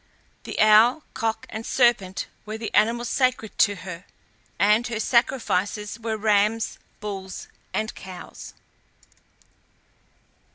The owl, cock, and serpent were the animals sacred to her, and her sacrifices were rams, bulls, and cows.